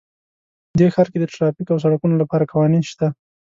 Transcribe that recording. په دې ښار کې د ټرافیک او سړکونو لپاره قوانین شته